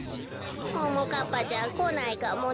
ももかっぱちゃんこないかもね。